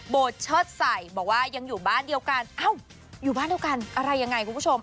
เชิดใส่บอกว่ายังอยู่บ้านเดียวกันเอ้าอยู่บ้านเดียวกันอะไรยังไงคุณผู้ชม